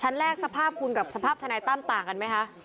แรกสภาพคุณกับสภาพทนายตั้มต่างกันไหมคะ